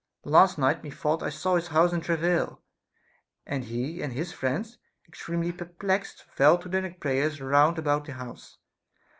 Last night methought I saw his house in travail ; and he and his friends, extremely perplexed, fell to their prayers round about the house.